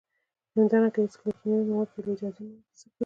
همدارنګه هیڅکله کیمیاوي مواد بې له اجازې مه څکئ